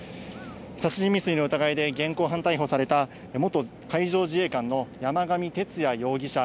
殺人未遂の疑いで現行犯逮捕された、元海上自衛官の山上徹也容疑者